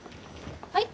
はい？